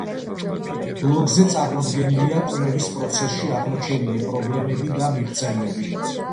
ბლოგზე წარმოდგენილია კვლევის პროცესში აღმოჩენილი პრობლემები და მიღწევები.